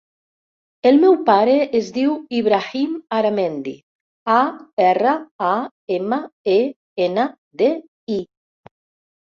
El meu pare es diu Ibrahim Aramendi: a, erra, a, ema, e, ena, de, i.